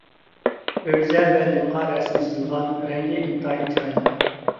ئۆگزە ۋە لىمغا رەسىم سىزىلغان، رەڭگى ئىنتايىن چىرايلىق.